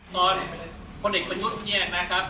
ตอนคนเด็กบรณวุฒิเนี่ยนะครับ